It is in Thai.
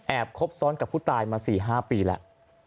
คบซ้อนกับผู้ตายมา๔๕ปีแล้ว